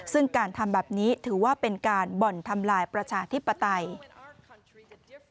ซึ่งการทำแบบนี้ถือว่าเป็นการบ่อนทำลายประชาธิปไตย